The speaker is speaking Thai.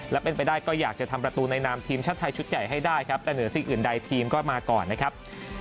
และเป็นไปได้ก็อยากจะทำประตูในนามทีมชาติไทยชุดใหญ่ให้ได้ครับแต่เหนือสิ่งอื่นใดทีมก็มาก่อนนะครับ